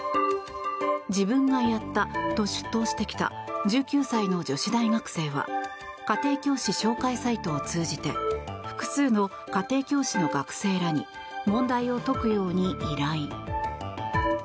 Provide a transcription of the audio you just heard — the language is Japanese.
自分がやったと出頭してきた１９歳の女子大学生は家庭教師紹介サイトを通じて複数の家庭教師の学生らに問題を解くように依頼。